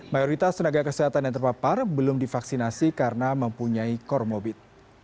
mayoritas tenaga kesehatan yang terpapar belum divaksinasi karena mempunyai cormobit